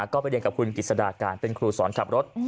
ก็ไปเรียนกับคุณกิจสดาการเป็นครูสอนขับรถ